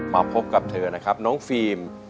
มาพบกับเธอนะครับน้องฟิล์ม